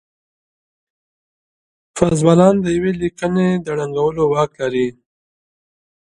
پازوالان د يوې ليکنې د ړنګولو واک لري.